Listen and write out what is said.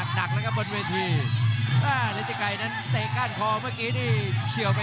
แม่งอันนี้ต้องหาซ้ายต้องหาขวาครับ